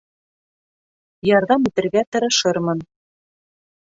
Ярҙам итергә тырышырмын.